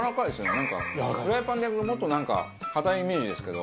なんかフライパンで焼くともっとなんか硬いイメージですけど。